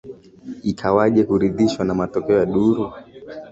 igawaje hakuridhishwa na matokeo ya duru